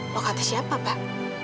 lo kata siapa pak